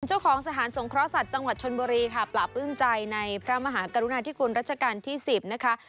เจ้าของสถานสงเคราะห์สัตว์จังหวัดชนบุรีค่ะปราบปลื้มใจในพระมหากรุณาธิคุณรัชกาลที่๑๐นะคะ